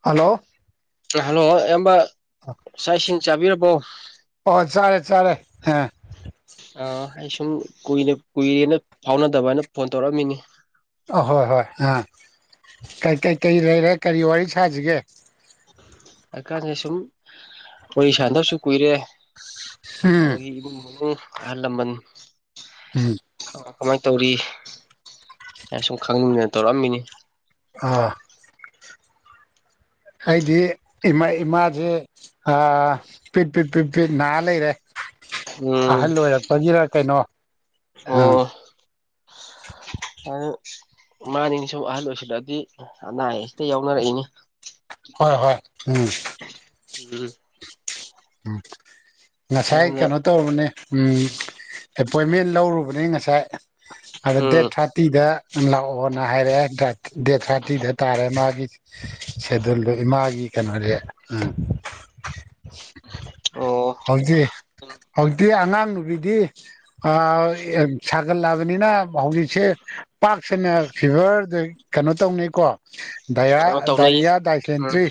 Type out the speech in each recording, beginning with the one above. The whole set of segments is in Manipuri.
ꯍꯜꯂꯣ ꯍꯜꯂꯣ ꯏꯌꯥꯝꯕ ꯆ ꯏꯁꯤꯡ ꯆꯥꯕꯤꯔꯕꯣ ꯑꯣ ꯆꯔꯦ ꯆꯔꯦ ꯑꯥ ꯑꯩ ꯁꯨꯝ ꯀꯨꯏ ꯀꯨꯏꯔꯦꯅ ꯐꯥꯎꯅꯗꯕ ꯍꯥꯏꯅ ꯐꯣꯟ ꯇꯧꯔꯛꯑꯝꯃꯤꯅꯤ ꯑꯍꯣꯏ ꯍꯣꯏ ꯑꯥꯩ ꯀꯩꯀꯩ ꯂꯩꯔꯦ ꯀꯔꯤ ꯋꯥꯔꯤ ꯁꯥꯁꯤꯒꯦ ꯍꯥꯏꯀꯥꯟꯗꯦ ꯁꯨꯝ ꯋꯥꯔꯤ ꯁꯥꯟꯗꯕꯁꯨ ꯀꯨꯏꯔꯦ ꯎꯝ ꯏꯅ ꯑꯂꯃꯟ ꯎꯝ ꯀꯃꯥꯏꯅ ꯇꯧꯔꯤ ꯑ ꯁꯨꯝ ꯈꯪꯅꯤꯡꯗꯅ ꯇꯧꯔꯛꯑꯝꯃꯤꯅꯤ ꯑꯥ ꯍꯥꯏꯗꯤ ꯏꯃꯥ ꯏꯃꯥꯁꯦ ꯄꯤꯠ ꯄꯤꯠ ꯄꯠ ꯄꯤꯠ ꯅꯥꯔ ꯂꯩꯔꯦ ꯎꯝ ꯑꯍꯜ ꯑꯣꯏꯔꯛꯄꯒꯤꯔ ꯀꯩꯅꯣ ꯎꯝ ꯑꯣ ꯑꯗꯨ ꯃꯥꯅꯤꯁꯨ ꯑꯍꯜ ꯑꯣꯏꯁꯤꯜꯂꯛꯑꯗꯤ ꯑꯅꯥ ꯑꯌꯦꯛꯁꯤꯗ ꯌꯥꯎꯅꯔꯛꯏꯅꯤ ꯍꯣꯏ ꯍꯣꯏ ꯎꯝ ꯎꯝ ꯎꯝ ꯉꯁꯥꯏ ꯑꯗꯨꯅ ꯀꯩꯅꯣ ꯇꯧꯔꯨꯕꯅꯦ ꯎꯝ ꯑꯦꯄꯣꯏꯟꯃꯦꯟ ꯂꯧꯔꯨꯕꯅꯤ ꯉꯁꯥꯏ ꯑꯗ ꯗꯦꯠ ꯎꯝ ꯊꯥꯔꯇꯤꯗ ꯂꯥꯛꯑꯣꯅ ꯍꯥꯏꯔꯦ ꯗꯦ ꯊꯥꯇꯤꯗ ꯇꯥꯔꯦ ꯃꯥꯒꯤ ꯁꯦꯗꯜꯗ ꯏꯥꯒꯤ ꯀꯩꯅꯣꯔꯦ ꯎꯟ ꯑꯣ ꯍꯧꯖꯤꯛ ꯍꯧꯖꯤꯛꯇꯤ ꯑꯉꯥꯡ ꯅꯨꯕꯤꯗꯤ ꯁꯥꯀꯜ ꯂꯥꯛꯑꯕꯅꯤꯅ ꯍꯧꯖꯤꯛꯁꯦ ꯄꯥꯛꯁꯟꯅ ꯐꯤꯚꯔꯗ ꯀꯩ ꯀꯩꯅꯣ ꯇꯧꯅꯤꯩꯀꯣ ꯀꯩꯅꯣ ꯇꯧꯅꯩ ꯗꯥꯏꯔꯤꯌꯥ ꯎꯝ ꯗꯥꯏꯁꯦꯟꯇ꯭ꯔꯤ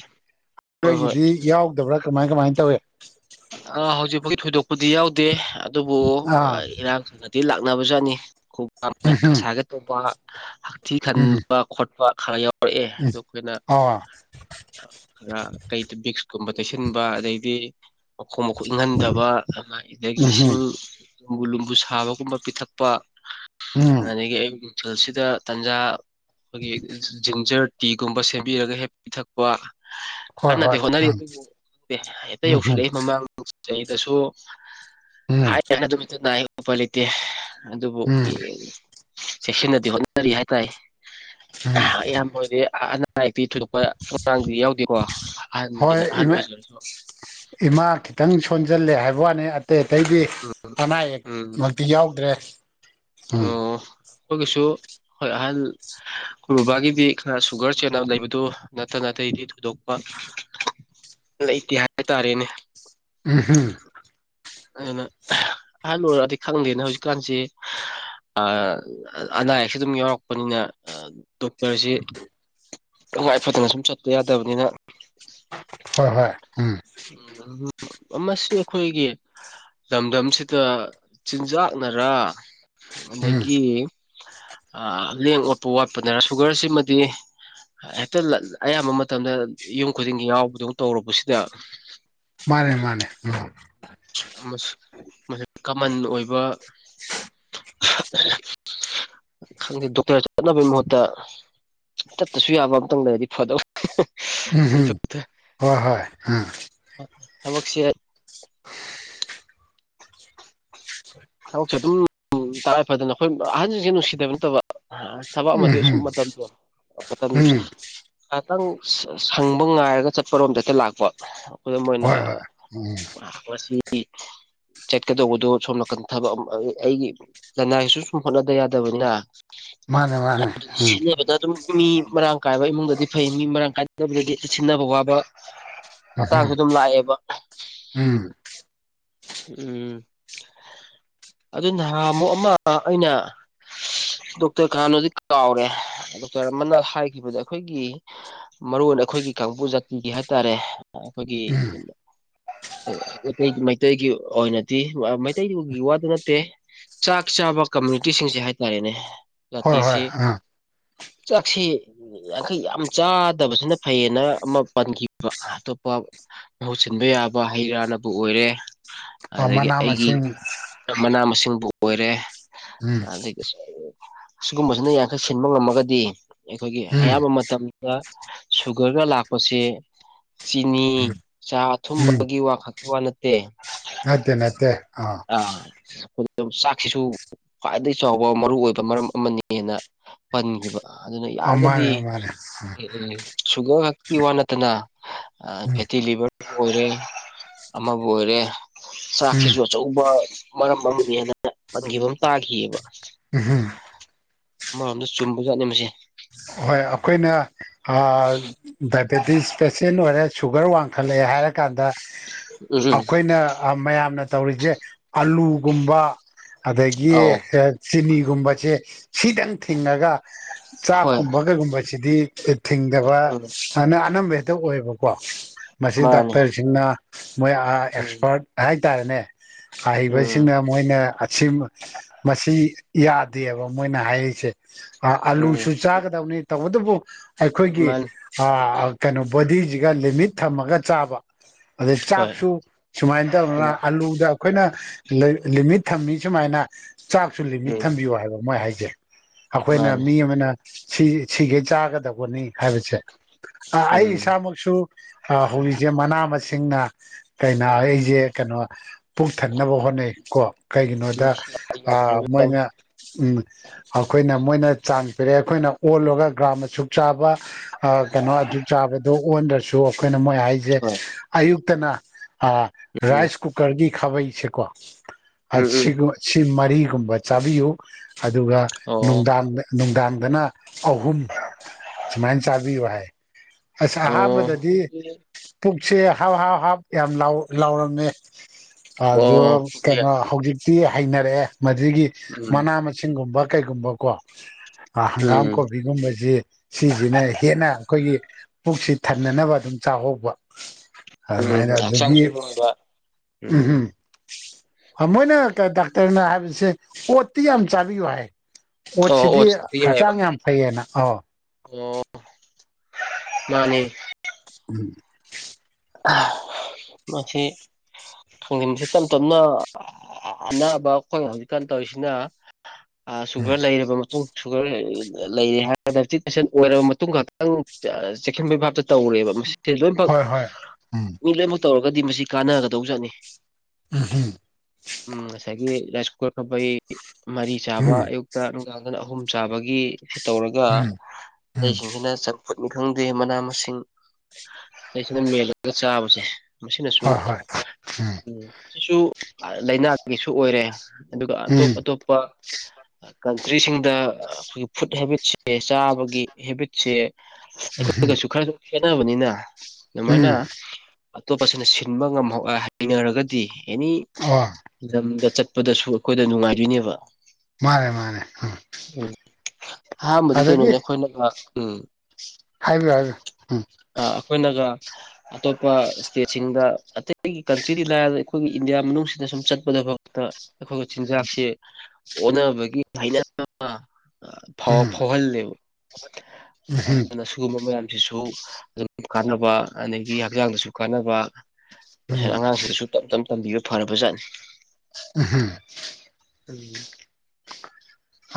ꯍꯣꯏ ꯍꯣꯏ ꯑꯩꯈꯣꯏꯒꯤꯗꯤ ꯌꯥꯎꯗꯕ꯭ꯔꯥ ꯀꯃꯥꯏ ꯀꯃꯥꯏꯅ ꯇꯧꯏ [inaudible] ꯑꯥ ꯍꯧꯖꯤꯛꯐꯥꯎꯗꯤ ꯊꯣꯏꯗꯣꯛꯄꯗꯤ ꯌꯥꯎꯗꯦ ꯗꯦ ꯑꯗꯨꯕꯨ ꯑꯥ ꯏꯔꯥꯡꯅꯗꯤ ꯂꯥꯛꯅꯕ ꯆꯠꯅꯤ ꯎꯝ ꯁꯥ ꯑꯇꯣꯞꯧꯕ ꯍꯛꯊꯤ ꯎꯝ ꯈꯟꯕ ꯈꯣꯠꯄ ꯈꯔ ꯌꯥꯎꯔꯛꯑꯦ ꯎꯝ ꯑꯗꯨ ꯑꯩꯈꯣꯏꯅ ꯑꯥ ꯈꯔ ꯀꯩ ꯕꯤꯛꯁꯀꯨꯝꯕ ꯇꯩꯁꯤꯟꯕ ꯑꯗꯩꯗꯤ ꯃꯈꯣꯡ ꯃꯈꯣꯛ ꯏꯪꯍꯟꯗꯕ ꯑꯗꯨ ꯑꯗꯨꯗꯒꯤ ꯏꯁꯤꯡ ꯎꯝ ꯂꯨꯝꯕꯨ ꯂꯨꯝꯕꯨ ꯁꯥꯕꯒꯨꯝꯕ ꯄꯤꯊꯛꯄ ꯎꯝ ꯑꯗꯒꯤ ꯑꯌꯨꯛ ꯅꯨꯡꯊꯜꯁꯤꯗ ꯇꯟꯖꯥ ꯑꯩꯈꯣꯏꯒꯤ ꯖꯤꯟꯖꯔ ꯇꯤꯒꯨꯝꯕ ꯁꯦꯝꯕꯤꯔꯒ ꯍꯦꯛ ꯄꯤꯊꯛꯄ ꯍꯣꯏ ꯍꯣꯏ ꯀꯟꯅꯗꯤ ꯍꯣꯠꯅꯔꯤ ꯎꯝ ꯑꯗꯨꯕꯨ ꯍꯦꯛꯇ ꯌꯧꯁꯤꯜꯂꯛꯏ ꯃꯃꯥꯡ ꯆꯍꯤꯗꯁꯨ ꯎꯝ ꯎꯝ ꯍꯥꯏ ꯍꯥꯏꯅ ꯑꯗꯨꯃꯠꯇ ꯅꯥꯏꯣꯛꯄ ꯂꯩꯇꯦ ꯑꯗꯨꯕꯨ ꯎꯝ ꯆꯦꯛꯁꯤꯟꯅꯗꯤ ꯍꯣꯠꯅꯔꯤ ꯍꯥꯏꯇꯥꯔꯦ ꯎꯝ ꯏꯌꯥꯝ ꯑꯣꯏꯗꯤꯦ ꯑꯅꯥ ꯑꯌꯦꯛꯇꯤ ꯊꯣꯏꯗꯣꯛꯄ ꯑꯉꯥꯡꯗꯨꯗꯤ ꯌꯥꯎꯗꯦꯀꯣ ꯍꯣꯏ ꯑꯍꯟꯒꯤꯅ ꯑꯍꯜ ꯏꯃꯥ ꯑꯣꯏꯖꯔꯁꯨ ꯏꯃꯥ ꯈꯤꯇꯪ ꯁꯣꯟꯖꯜꯂꯦ ꯍꯥꯏꯕ ꯋꯥꯅꯤ ꯑꯇꯩ ꯑꯇꯩꯗꯤ ꯎꯝ ꯑꯅꯥ ꯑꯌꯦꯛ ꯎꯝ ꯤ ꯌꯥꯎꯗ꯭ꯔꯦ ꯎꯝ ꯑꯣ ꯑꯩꯈꯣꯏꯒꯤꯁꯨ ꯍꯣꯏ ꯑꯍꯜ ꯑꯩꯈꯣꯏ ꯕꯕꯥꯒꯤꯗꯤ ꯈꯔ ꯁꯨꯒꯔ ꯆꯦꯅꯕ ꯂꯩꯕꯗꯨ ꯅꯠꯇꯅ ꯑꯇꯩꯗꯤ ꯊꯣꯏꯗꯣꯛꯄ ꯂꯩꯇꯦ ꯍꯥꯏꯇꯥꯔꯦꯅꯦ ꯎ ꯍ ꯑꯗꯨꯅ ꯑꯍꯜ ꯑꯣꯏꯔꯛꯑꯗꯤ ꯈꯪꯗꯦꯅꯦ ꯍꯧꯖꯤꯛꯀꯥꯟꯁꯤ ꯑꯅꯥ ꯑꯌꯦꯛꯁ ꯑꯗꯨꯝ ꯌꯥꯎꯔꯛꯄꯅꯤꯅ ꯗꯣꯛꯇꯔꯁꯤ ꯅꯨꯡꯉꯥꯏꯐꯗꯅ ꯁꯨꯝ ꯆꯠꯄ ꯌꯥꯗꯕꯅꯤꯅ ꯍꯣꯏ ꯍꯣꯏ ꯎꯝ ꯎꯝ ꯃꯁꯤ ꯑꯩꯈꯣꯏꯒꯤ ꯂꯝꯗꯝꯁꯤꯗ ꯆꯤꯟꯖꯥꯛꯅꯔꯥ ꯎꯝ ꯑꯗꯒꯤ ꯂꯦꯡ ꯑꯣꯠꯄ ꯋꯥꯠꯄꯗꯅ ꯁꯨꯒꯔꯁꯤꯃꯗꯤ ꯍꯦꯛꯇ ꯑꯌꯥꯝꯕ ꯃꯇꯝꯗ ꯌꯨꯝ ꯈꯨꯗꯤꯡꯒꯤ ꯌꯥꯎꯕꯗꯧ ꯇꯧꯔꯨꯕꯁꯤꯗ ꯃꯥꯅꯦ ꯃꯥꯅꯦ ꯎꯝ ꯃꯁꯤ ꯀꯃꯟ ꯑꯣꯏꯕ [unintelligible] ꯈꯪꯗꯦ ꯗꯣꯛꯇꯔ ꯆꯠꯅꯕꯒꯤ ꯃꯍꯨꯠꯇ ꯇꯠꯇꯁꯨ ꯌꯥꯕ ꯑꯝꯇꯪ ꯂꯩꯔꯗꯤ ꯐꯗꯧ ꯎꯝꯍꯨꯝ [unintelligible] ꯍꯣꯏ ꯍꯣꯏ ꯎꯝ ꯊꯃꯁꯤ ꯊꯕꯛꯁꯦ ꯑꯗꯨꯝ ꯎꯝ ꯇꯉꯥꯏꯐꯗꯅ ꯑꯩꯈꯣꯏ ꯑꯍꯟꯖꯤꯡꯖꯦ ꯅꯨꯡꯁꯤꯗꯕ ꯅꯠꯇꯕ ꯑ ꯊꯕꯛ ꯑꯃꯗꯤ ꯎꯝꯍꯨꯝ ꯑꯁꯨꯨꯝ ꯃꯇꯝꯗꯣ ꯃꯇꯝ ꯎꯝ ꯉꯍꯥꯛꯇꯪ ꯁꯪ ꯁꯪꯕ ꯉꯥꯏꯔꯒ ꯆꯠꯄꯔꯣꯝꯗ ꯍꯦꯛꯇ ꯂꯥꯛꯄ ꯈꯨꯗꯝ ꯑꯣꯏꯅ ꯍꯣꯏ ꯑ ꯍꯣꯏ ꯎꯝ ꯉꯁꯤ ꯆꯠꯀꯗꯧꯕꯗꯣ ꯁꯣꯝ ꯅꯥꯀꯟ ꯊꯕꯛ ꯑꯝ ꯑ ꯑꯩꯒꯤ ꯂꯅꯥꯏꯁꯨ ꯁꯨꯝ ꯍꯣꯠꯅꯗ ꯌꯥꯗꯕꯅꯤꯅ ꯃꯥꯅꯦ ꯃꯥꯅꯦ ꯑꯗꯨ ꯎꯝ ꯁꯤꯟꯅꯕꯗ ꯑꯗꯨꯝ ꯃꯤ ꯃꯔꯥꯡ ꯀꯥꯏꯕ ꯏꯃꯨꯡꯗꯗꯤ ꯐꯩ ꯃꯤ ꯃꯔꯥꯡ ꯀꯥꯏꯅꯕꯗꯗꯤ ꯁꯤꯟꯅꯕ ꯋꯥꯕ ꯑꯇꯥꯡꯁꯨ ꯎꯝ ꯑꯗꯨꯝ ꯂꯥꯛꯑꯦꯕ ꯎꯝ ꯎꯝ ꯑꯗꯨ ꯅꯍꯥꯟꯃꯨꯛ ꯑꯃ ꯑꯩꯅ ꯗꯣꯛꯇꯔ ꯀꯥꯅꯅꯣꯗꯤ ꯀꯥꯎꯔꯦ ꯗꯣꯛꯇꯔ ꯑꯃꯅ ꯍꯥꯏꯈꯤꯕꯗ ꯑꯈꯣꯏꯒꯤ ꯃꯔꯨ ꯑꯣꯏꯅ ꯑꯈꯣꯏꯒꯤ ꯀꯥꯡꯕꯨ ꯖꯥꯇꯤꯒꯤ ꯍꯥꯏꯇꯥꯔꯦ ꯑꯈꯣꯏꯒꯤ ꯎꯝ [unintelligible] ꯃꯩꯇꯩꯒꯤ ꯑꯣꯏꯅꯗꯤ ꯑ ꯃꯩꯇꯩꯗꯨꯒꯤ ꯋꯥꯗꯨ ꯅꯠꯇꯦ ꯆꯥꯛ ꯆꯥꯕ ꯀꯝꯃ꯭ꯌꯨꯅꯤꯇꯤꯁꯤꯡꯁꯦ ꯍꯥꯏꯇꯥꯔꯦꯅꯦ ꯍꯣꯏ ꯍꯣꯏ ꯖꯥꯇꯤꯁꯤ ꯆꯥꯛꯁꯤ ꯌꯥꯡꯈꯩ ꯌꯥꯝ ꯆꯥꯗꯕꯁꯤꯅ ꯐꯩꯌꯦꯅ ꯑꯃ ꯄꯟꯈꯤꯕ ꯑꯇꯣꯞꯄ ꯃꯍꯨꯠ ꯁꯤꯟꯕ ꯌꯥꯕ ꯍꯩꯔꯥꯅꯕꯨ ꯑꯣꯏꯔꯦ ꯑꯥ ꯑꯗꯒꯤ ꯃꯅꯥ ꯑꯩꯒꯤ ꯃꯁꯤꯡ ꯃꯅꯥ ꯃꯁꯤꯡꯕꯨ ꯑꯣꯏꯔꯦ ꯎꯝ ꯑꯗꯒꯤꯁꯨ ꯑꯁꯤꯒꯨꯝꯕꯁꯤꯅ ꯌꯥꯡꯈꯩ ꯁꯤꯟꯕ ꯉꯝꯃꯒꯗꯤ ꯑꯩꯈꯣꯏꯒꯤ ꯎꯝ ꯑꯌꯥꯝꯕ ꯃꯇꯝꯗ ꯁꯨꯒꯔꯒ ꯂꯥꯛꯄꯁꯦ ꯎꯝ ꯆꯤꯅꯤ ꯆꯥ ꯎꯝ ꯑꯊꯨꯝꯕꯒꯤ ꯋꯥ ꯈꯛꯀꯤ ꯋꯥ ꯅꯠꯇꯦ ꯅꯠꯇꯦ ꯅꯠꯇꯦ ꯑꯥ [unintelligible] ꯗꯨꯝ ꯆꯥꯛꯁꯤꯁꯨ ꯈ꯭ꯋꯥꯏꯗꯒꯤ ꯆꯥꯎꯕ ꯃꯔꯨꯑꯣꯏꯕ ꯃꯔꯝ ꯑꯃꯅꯤꯅ ꯄꯟꯒꯤꯕ ꯑꯗꯨꯅ ꯌꯥꯔꯒꯗꯤ ꯃꯥꯅꯦ ꯃꯥꯅꯦ ꯎꯝ ꯎꯝ ꯁꯨꯒꯔ ꯀꯤ ꯋꯥ ꯅꯠꯇꯅ ꯑ ꯐꯦꯠꯇꯤ ꯂꯤꯚꯔ ꯑꯣꯏꯔꯦ ꯑꯃꯕꯨ ꯑꯣꯏꯔꯦ ꯆꯥꯛꯁꯤꯁꯨ ꯎꯝ ꯑꯆꯧꯕ ꯃꯔꯝ ꯑꯃꯅꯤꯑꯥꯅ ꯄꯟꯒꯤꯕ ꯑꯝ ꯇꯥꯈꯤꯌꯦꯕ ꯎꯍꯨꯝ ꯑꯃꯔꯣꯝꯗ ꯆꯨꯝꯕ ꯖꯥꯠꯅꯦ ꯃꯥꯁꯦ ꯍꯣꯏ ꯑꯩꯈꯣꯏꯅ ꯑ ꯗꯥꯏꯕꯦꯇꯤꯁ ꯄꯦꯁꯦꯟ ꯑꯣꯏꯔꯦ ꯁꯨꯒꯔ ꯋꯥꯡꯈꯠꯂꯛꯑꯦ ꯍꯥꯏꯔꯀꯥꯟꯗ ꯎꯝ ꯎꯝ ꯑꯈꯣꯏꯅ ꯑ ꯃꯌꯥꯝꯅ ꯇꯧꯔꯤꯖꯦ ꯑꯂꯨꯒꯨꯝꯕ ꯑꯗꯒꯤ ꯑꯧ ꯑꯦ ꯆꯤꯅꯤꯒꯨꯝꯕꯖꯦ ꯁꯤꯗꯪ ꯊꯤꯡꯉꯒ ꯍꯣꯏ ꯆꯥꯛꯀꯨꯝꯕ ꯀꯩꯒꯨꯝꯕꯁꯤꯗꯤ ꯑꯦ ꯊꯤꯡꯗꯕ ꯎꯝ ꯁꯥꯏꯅ ꯑꯅꯝꯕ ꯍꯦꯛꯇ ꯑꯣꯏꯌꯦꯕꯀꯣ ꯃꯁꯤ ꯃꯥꯅꯤ ꯗꯥꯛꯇꯔꯁꯤꯡꯅ ꯃꯣꯏ ꯑ ꯎꯝ ꯑꯦꯛꯁꯄꯥꯔꯠ ꯍꯥꯏꯇꯥꯔꯦꯅꯦ ꯎꯝ ꯑꯍꯩꯕꯁꯤꯡꯅ ꯃꯣꯏꯅ ꯑꯁꯤꯝ ꯃꯁꯤ ꯌꯥꯗꯦꯕ ꯃꯣꯏꯅ ꯍꯥꯏꯔꯤꯁꯦ ꯑ ꯎꯝ ꯑꯂꯨꯁꯨ ꯆꯥꯒꯗꯕꯅꯤ ꯇꯧꯕꯗꯕꯨ ꯑꯩꯈꯣꯏꯒꯤ ꯃꯥꯅꯤ ꯑꯥ ꯀꯩꯅꯣ ꯕꯣꯗꯤꯖꯤꯒ ꯂꯤꯃꯤꯠ ꯊꯝꯃꯒ ꯆꯥꯕ ꯑꯗꯩ ꯍꯣꯏ ꯆꯥꯛꯁꯨ ꯁꯨꯃꯥꯏꯟ ꯎꯝ ꯇꯧꯗꯅ ꯑꯂꯨꯗ ꯑꯩꯈꯣꯏꯅ ꯂꯩ ꯂꯤꯃꯤꯠ ꯊꯝꯃꯤ ꯁꯨꯃꯥꯏꯅ ꯆꯥꯛꯁꯨ ꯂꯤꯃꯤꯠ ꯎꯝ ꯊꯝꯕꯤꯌꯣ ꯍꯥꯏꯕ ꯃꯣꯏ ꯍꯥꯏꯖꯩ ꯑꯈꯣꯏꯅ ꯃꯥꯅꯤ ꯃꯤ ꯑꯃꯅ ꯁꯤ ꯁꯤꯒꯩ ꯆꯥꯒꯗꯧꯕꯅꯤ ꯍꯥꯏꯕꯁꯦ ꯑꯥ ꯑꯩ ꯎꯝ ꯏꯁꯥꯃꯛꯁꯨ ꯑꯥ ꯍꯧꯖꯤꯛꯁꯦ ꯃꯅꯥ ꯃꯁꯤꯡꯅ ꯀꯩꯩꯅꯥꯒꯩꯖꯦ ꯀꯩꯅꯣ ꯄꯨꯛ ꯊꯟꯅꯕ ꯍꯣꯠꯅꯩ ꯀꯣ ꯍꯣꯏ ꯀꯩꯒꯤꯅꯣꯗ ꯎꯝ ꯎꯝ ꯑꯥ ꯃꯣꯏꯅ ꯎꯝ ꯑꯈꯣꯏꯅ ꯃꯣꯏꯅ ꯆꯥꯡ ꯄꯦꯔꯦ ꯑꯩꯈꯣꯏꯅ ꯑꯣꯜꯂꯨꯔꯒ ꯒ꯭ꯔꯥꯝꯅ ꯁꯨꯛ ꯆꯥꯕ ꯑ ꯀꯩꯅꯣ ꯑꯗꯨꯠ ꯆꯥꯕꯗꯨ ꯑꯣꯟꯗ꯭ꯔꯁꯨ ꯑꯩꯈꯣꯏꯅ ꯃꯣꯏ ꯍꯥꯏꯖ ꯖꯦ ꯑꯌꯨꯛꯇꯅ ꯑ ꯔꯥꯏꯁ ꯀꯨꯀꯔꯒꯤ ꯈꯥꯕꯩꯁꯦꯀꯣ ꯑꯁꯤꯒꯨꯝꯕ ꯁꯤ ꯃꯔꯤꯒꯨꯝꯕ ꯆꯥꯕꯤꯎ ꯑꯗꯨꯒ ꯑꯣ ꯅꯨꯡꯗꯥꯡꯗ ꯅꯨꯡꯗꯥꯡ ꯗꯅ ꯑꯍꯨꯝ ꯁꯨꯃꯥꯏꯅ ꯆꯥꯕꯤꯌꯨ ꯍꯥꯏ꯫ ꯑꯁ ꯑꯣ ꯑꯍꯥꯟꯕꯗꯗꯤ ꯄꯨꯛꯁꯦ ꯍꯥꯎ ꯍꯥꯎ ꯍꯥꯞ ꯌꯥꯝ ꯂꯥꯎ ꯂꯥꯎꯔꯝꯃꯦ꯫ ꯑꯗꯣ ꯑꯣ ꯀꯩꯅꯣ ꯍꯧꯖꯤꯛ ꯇꯤ ꯍꯩꯅꯔꯛꯑꯦ ꯃꯗꯨꯒꯤ ꯎꯝ ꯃꯅꯥ ꯃꯁꯤꯡꯒꯨꯝꯕ ꯀꯩꯒꯨꯝꯕꯀꯣ꯫ ꯍꯪꯒꯥꯝ ꯎꯝ ꯀꯣꯕꯤꯒꯨꯝꯕꯖꯤ ꯁꯤꯁꯤꯅ ꯍꯦꯟꯅ ꯑꯩꯈꯣꯏꯒꯤ ꯄꯨꯛꯁꯤ ꯊꯟꯅꯅꯕ ꯑꯗꯨꯝ ꯆꯥꯍꯧꯕ꯫ ꯎꯝ ꯑꯗꯨꯃꯥꯏꯅ ꯑꯗꯒꯤ ꯍꯛꯆꯥꯡꯁꯨ ꯅꯨꯡꯉꯥꯏꯕ ꯎꯝꯍꯨꯝ ꯎꯝ ꯑꯥ ꯃꯣꯏꯅꯀ ꯗꯥꯛꯇꯔꯅ ꯍꯥꯏꯕꯁꯦ ꯑꯣꯠꯇꯤ ꯌꯥꯝ ꯆꯥꯕꯤꯌꯨ ꯍꯥꯏ꯫ ꯑꯣ ꯑꯣꯠꯁꯤꯗꯤ ꯑꯣꯠꯁꯇꯤ ꯌꯥꯏꯑꯕ ꯍꯛꯆꯥꯡ ꯌꯥꯝ ꯐꯩꯌꯦꯅ ꯑꯣ꯫ ꯑꯣ ꯃꯥꯅꯤ ꯎꯝ ꯑ ꯃꯁꯤ ꯈꯥꯡꯖꯤꯝꯁꯦ ꯇꯞ ꯇꯞꯅ ꯑꯅꯥꯕ ꯑꯩꯈꯣꯏ ꯍꯧꯖꯤꯛꯀꯥꯟ ꯇꯧꯔꯤꯁꯤꯅ ꯑ ꯎꯝ ꯁꯨꯒꯔ ꯂꯩꯔꯕ ꯃꯇꯨꯡ ꯁꯨꯒꯔ ꯂꯩ ꯂꯩꯔꯦ ꯍꯥꯏꯒ [inaudible] ꯆꯤꯛꯁꯤꯟ ꯑꯣꯏꯔꯕ ꯃꯇꯨꯡ ꯈꯛꯇꯪ ꯆꯦꯛꯁꯤꯟꯕꯩ ꯚꯥꯞꯇ ꯇꯧꯔꯦꯕ ꯃꯁꯤ ꯂꯣꯏꯅꯃꯛ ꯍꯣꯏ ꯍꯣꯏ ꯎꯝ ꯃꯤ ꯂꯣꯏꯃꯛ ꯇꯧꯔꯒꯗꯤ ꯃꯁꯤ ꯀꯥꯟꯅꯒꯗꯧ ꯖꯥꯠꯅꯤ꯫ ꯎꯍꯨꯝ ꯎꯝ ꯉꯁꯥꯏꯒꯤ ꯔꯥꯖꯀꯨꯀꯔ ꯐꯥꯕꯩ ꯃꯔꯤ ꯆꯥꯕ ꯎꯝ ꯑꯌꯨꯛ ꯇ꯭ꯔꯥ ꯅꯨꯡꯗꯥꯡꯗꯅ ꯑꯍꯨꯝ ꯆꯥꯕꯒꯤ ꯇꯧꯔꯒ ꯎꯝ ꯎꯝ ꯑꯩꯁꯤꯡꯁꯤꯅ [unintelligible] ꯐꯨꯠꯅꯤ ꯈꯪꯗꯦ ꯃꯅꯥ ꯃꯁꯤꯡ ꯑꯩꯁꯤꯅ ꯃꯦꯜꯂꯒ ꯆꯥꯕꯁꯦ ꯃꯁꯤꯅꯁꯨ ꯍꯣꯏ ꯍꯣꯏ ꯎꯝ ꯁꯤꯁꯨ ꯑ ꯂꯩꯅꯥꯒꯤꯁꯨ ꯑꯣꯏꯔꯦ ꯑꯗꯨꯒ ꯑꯇꯣꯞ ꯎꯝ ꯑꯇꯣꯞ ꯄꯥ ꯀꯟꯇ꯭ꯔꯤꯁꯤꯡꯗ ꯈꯣꯏꯒꯤ ꯐꯨꯠ ꯍꯦꯕꯤꯠꯁꯦ ꯆꯥꯕꯒꯤ ꯍꯦꯕꯤꯠ ꯁꯦ ꯎꯝ ꯑꯩꯈꯣꯏꯒꯁꯨ ꯈꯔꯁꯨ ꯈꯦꯠꯅꯕꯅꯤꯅ ꯗꯨꯃꯥꯏꯅ ꯎꯝ ꯑꯇꯣꯞꯄꯁꯤꯅ ꯁꯤꯟꯕ ꯉꯝꯍꯧ ꯑ ꯍꯩꯅꯔꯒꯗꯤ ꯑꯦꯅꯤ [unintelligible] ꯂꯝꯗ ꯆꯠꯄꯗꯁꯨ ꯑꯈꯣꯏꯗ ꯅꯨꯡꯉꯥꯏꯗꯣꯏꯅꯦꯕ꯫ ꯃꯥꯅꯦ ꯃꯥꯅꯦ ꯑꯝ ꯍꯥꯝꯕꯗꯤ ꯀꯩꯅꯣꯅꯦ ꯈꯣꯏꯅꯒ ꯎꯝ ꯍꯥꯏꯕꯤꯌꯨ ꯍꯥꯏꯕꯤꯌꯨ ꯎꯝ ꯑ ꯑꯈꯣꯏꯅꯒ ꯑꯇꯣꯞꯄ ꯁ꯭ꯇꯦꯠꯁꯤꯡꯗ ꯑꯇꯩꯒꯤ ꯀꯟꯇ꯭ꯔꯤꯗꯤ ꯂꯥꯏ [unintelligible] ꯑꯩꯈꯣꯏꯒꯤ ꯏꯟꯗꯤꯌꯥ ꯃꯅꯨꯡꯁꯤꯗ ꯁꯨꯝ ꯆꯠꯄꯗ ꯐꯧ ꯇꯥ ꯑꯩꯈꯣꯏꯒ ꯆꯤꯟꯖꯥꯛꯁꯦ ꯑꯣꯟꯅꯕꯒꯤ ꯍꯩꯅꯗꯕ ꯐꯥꯎ ꯎꯝ ꯐꯥꯎꯍꯜꯂꯦꯕ ꯎꯝ ꯑꯗꯨꯅꯁꯨ ꯁꯤꯒꯨꯝꯕ ꯃꯌꯥꯝꯁꯤꯁꯨ [unintelligible] ꯀꯥꯟꯅꯕ ꯑꯗꯒꯤ ꯍꯛꯆꯥꯡꯗꯁꯨ ꯀꯥꯟꯅꯕ꯫ ꯃꯁꯦ ꯎꯝ ꯎꯝ ꯑꯉꯥꯡꯁꯤꯡꯗꯁꯨ ꯇꯞ ꯇꯞꯅ ꯇꯝꯕꯤꯔ ꯐꯔꯕꯖꯥꯠꯅꯤ꯫ ꯎꯝ ꯍꯝ ꯎꯝ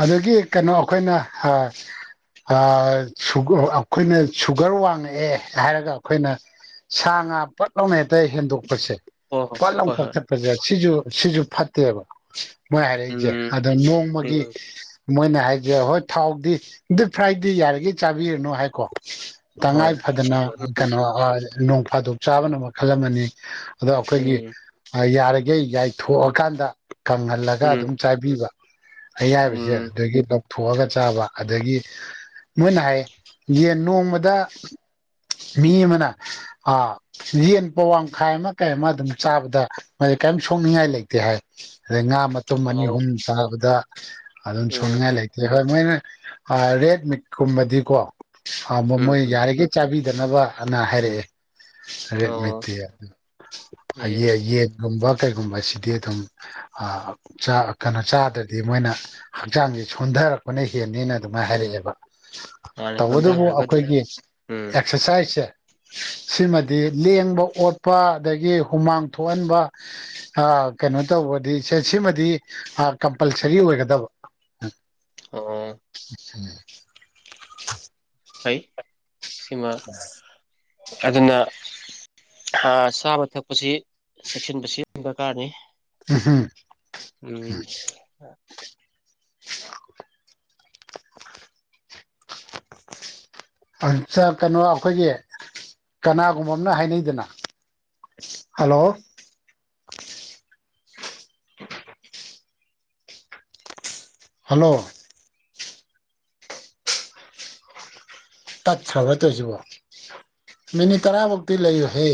ꯑꯗꯒꯤ ꯀꯩꯅꯣ ꯑꯈꯣꯏꯅ ꯍꯥ ꯑ ꯁꯨꯒ ꯑꯈꯣꯏꯅ ꯁꯨꯒꯔ ꯋꯥꯡꯉꯛꯑꯦ ꯍꯥꯏꯔꯒ ꯑꯈꯣꯏꯅ ꯁꯥ ꯉꯥ ꯄꯠꯂꯥꯎꯅ ꯍꯦꯛꯇ ꯍꯦꯟꯗꯣꯛꯄꯁꯦ ꯍꯣꯏ ꯄꯠꯂꯥꯎ ꯍꯣꯏ ꯍꯣꯏ ꯍꯣꯏ ꯀꯛꯊꯠꯄꯁꯦ ꯁꯤꯁꯨ ꯁꯤꯁꯨ ꯐꯠꯇꯦꯕ꯫ ꯃꯣꯏ ꯍꯥꯏꯔꯛꯏꯁꯦ ꯎꯝ ꯑꯗ ꯅꯣꯡꯃꯒꯤ ꯎꯝ ꯃꯣꯏꯅ ꯍꯥꯏꯁꯦ ꯍꯣꯏ ꯊꯥꯎꯗꯤ ꯗꯤꯞ ꯐ꯭ꯔꯥꯏꯗꯤ ꯌꯥꯔꯤꯒꯩ ꯆꯥꯕꯤꯔꯅꯨ ꯍꯥꯏꯀꯣ ꯍꯣꯏ ꯇꯉꯥꯏ ꯐꯗꯅ ꯀꯩꯅꯣ ꯑ ꯅꯣꯡ ꯐꯥꯗꯣꯛ ꯆꯥꯕꯅ ꯃꯈꯜ ꯑꯃꯅꯤ ꯑꯗꯣ ꯑꯩꯈꯣꯏꯒꯤ ꯎꯝ ꯌꯥꯔꯤꯈꯩ ꯌꯥꯏꯊꯣꯛꯑꯀꯥꯟꯗ ꯀꯪꯍꯜꯂꯒ ꯎꯝ ꯑꯗꯨꯝ ꯆꯥꯏꯕꯤꯕ ꯎꯝ ꯑꯌꯥꯏꯕꯁꯦ ꯎꯝ ꯑꯗꯒꯤ ꯂꯧ ꯊꯣꯛꯑꯒ ꯆꯥꯕ ꯑꯗꯒꯤ ꯃꯣꯏꯅ ꯍꯥꯏ ꯌꯦꯟ ꯅꯣꯡꯃꯗ ꯃꯤ ꯑꯃꯅ ꯑ ꯌꯦꯟ ꯄꯋꯥꯃꯈꯥꯏ ꯑꯃ ꯀꯩ ꯑꯃ ꯑꯗꯨꯝ ꯆꯥꯕꯗ [unintelligible] ꯀꯔꯤꯝ ꯁꯣꯛꯅꯤꯡꯉꯥꯏ ꯂꯩꯇꯦ ꯍꯥꯏ ꯑꯗꯩ ꯉꯥ ꯃꯇꯨꯝ ꯑꯅꯤ ꯑꯣ ꯑꯍꯨꯝ ꯆꯥꯕꯗ ꯑꯗꯨꯝ ꯎꯝ ꯁꯣꯛꯅꯤꯡꯉꯥꯏ ꯂꯩ ꯇꯦ ꯍꯣꯏ ꯃꯣꯏꯅ ꯑꯥ ꯔꯦꯗ ꯃ‌ꯤꯠꯀꯨꯝꯕꯗꯤꯀꯣ ꯑꯥ ꯃꯣꯏ ꯎꯝ ꯌꯥꯔꯤꯒꯩ ꯆꯥꯕꯤꯗꯅꯕ ꯍꯟꯅ ꯍꯥꯏꯔꯛꯑꯦ ꯑꯣ ꯔꯦꯗ ꯃ‌ꯤꯠꯇꯤ [inaudible] ꯎꯝ ꯌ‌ꯦꯟ ꯌ‌ꯦꯟ ꯒꯨꯝꯕ ꯀꯩꯒꯨꯝꯕꯁꯤꯗꯤ ꯑꯗꯨꯝ ꯑꯥ ꯆꯥ ꯀꯩꯅꯣ ꯆꯥꯗ꯭ꯔ ꯗꯤ ꯃꯣꯏꯅ ꯍꯛꯆꯥꯡꯁꯦ ꯁꯣꯟꯊꯔꯛꯄꯅ ꯍꯦꯟꯅꯤꯅ ꯑꯗꯨꯃꯥꯏ ꯍꯥꯏꯔꯛꯑꯦꯕ ꯃꯥꯅꯦ ꯇꯧꯕꯗꯕꯨ ꯍꯣꯟꯊꯈ꯭ꯔꯒꯗꯤ ꯑꯩꯈꯣꯏꯒꯤ ꯎꯝ ꯑꯦꯛꯁꯔꯁꯥꯏꯁꯁꯦ ꯁꯤꯃꯗꯤ ꯂꯦꯡꯕ ꯑꯣꯠꯄ ꯑꯗꯒꯤ ꯍꯨꯃꯥꯡ ꯊꯣꯛꯍꯟꯕ ꯑꯥ ꯀꯩꯅꯣ ꯇꯧꯕꯗꯤ ꯁ‌ꯦ ꯁꯤꯃꯗꯤ ꯑꯥ ꯀꯝ ꯄꯜꯁꯔꯤ ꯑꯣꯏꯒꯗꯕ ꯑꯣ [unintelligible] ꯐꯩ ꯁꯤꯃ ꯐꯖꯅ ꯍꯥ ꯆꯥꯕ ꯊꯛꯄꯁꯤ ꯆꯦꯛꯁꯤꯟꯕꯁꯤ [inaudible] ꯗꯔꯀꯥꯔꯅꯤ ꯎꯝ [unintelligible] [unintelligible] ꯆꯥꯛ ꯀꯩꯅꯣ ꯑꯩꯈꯣꯏꯒꯤ ꯀꯅꯥꯒꯨꯝꯕ ꯑꯃꯅ ꯍꯥꯏꯅꯩꯗꯅ ꯍꯜꯂꯣ ꯍꯜꯂꯣ ꯇꯠꯈ꯭ꯔꯕ‌ꯣ ꯇꯧꯔꯤꯁꯤꯕꯣ ꯃꯤꯅꯤꯠ ꯇꯔꯥꯃꯨꯛꯇꯤ ꯂꯩꯌꯨꯍꯦ